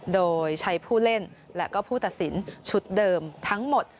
โดยใช้ผู้เล่นและก็ผู้ตัดสินชุดเดิมทั้งหมด